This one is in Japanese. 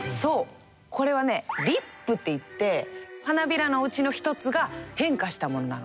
これはね「リップ」っていって花びらのうちの１つが変化したものなの。